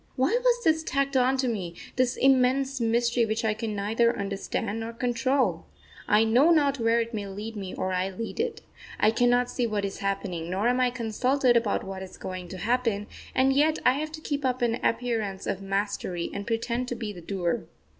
Why was this tacked on to me this immense mystery which I can neither understand nor control? I know not where it may lead me or I lead it. I cannot see what is happening, nor am I consulted about what is going to happen, and yet I have to keep up an appearance of mastery and pretend to be the doer....